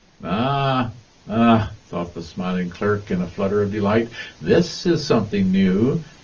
"Ah, ah!" thought the smiling clerk, in a flutter of delight, "this is something new."